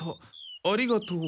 ありがとう。